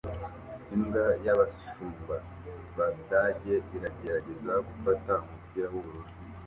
Imbwa y'abashumba b'Abadage iragerageza gufata umupira w'ubururu